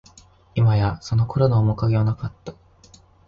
いまや、その頃の面影はなかった